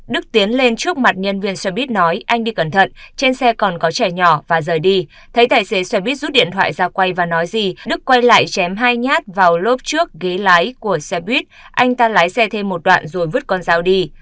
đức tiến lên trước mặt nhân viên xe buýt nói anh đi cẩn thận trên xe còn có trẻ nhỏ và rời đi thấy tài xế xe buýt rút điện thoại ra quay và nói gì đức quay lại chém hai nhát vào lốp trước ghế lái của xe buýt anh ta lái xe thêm một đoạn rồi vứt con dao đi